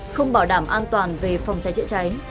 không bảo đảm an toàn về phòng cháy chữa cháy